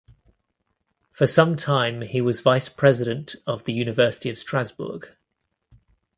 For some time he was vice president of the University of Strasbourg.